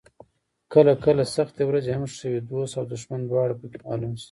کله کله سختې ورځې هم ښې وي، دوست او دښمن دواړه پکې معلوم شي.